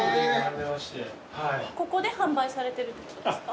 ここで販売されてるってことですか？